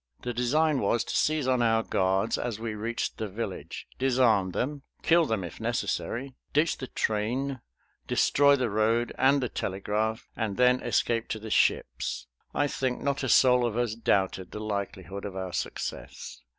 The design was to seize on our guards as we reached the village, disarm them, kill them, if necessary, ditch the train, destroy the road and the telegraph, and then escape to the ships. I think not a soul of us doubted the likelihood of our success.